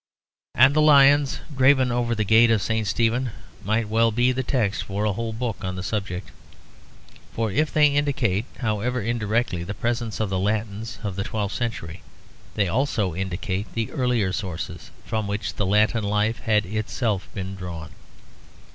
And the lions graven over the gate of St. Stephen might well be the text for a whole book on the subject. For if they indicate, however indirectly, the presence of the Latins of the twelfth century, they also indicate the earlier sources from which the Latin life had itself been drawn.